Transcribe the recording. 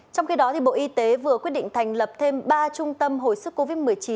trong khi đó bộ y tế vừa quyết định thành lập thêm ba trung tâm hồi sức covid một mươi chín